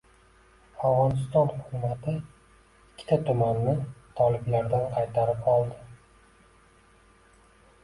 Afg‘oniston hukumati ikkita tumanni toliblardan qaytarib oldi